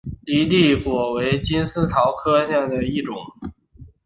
犁地果为金丝桃科瑞地亚木属下的一个种。